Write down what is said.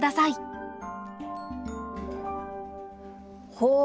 ほう。